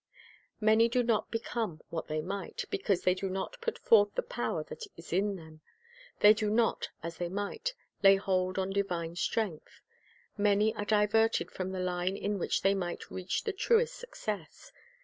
Many do not become what they might, because they do not put forth the power that is in them. They do not, as they might, lay hold on divine strength. Alain are diverted from the line in which they might reach the truest success.